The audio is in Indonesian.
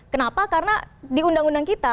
kenapa karena di undang undang kita